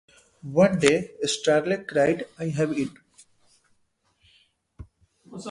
One day Starley cried 'I have it!